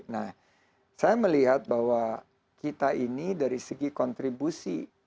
nah saya melihat bahwa kita ini dari segi kontribusi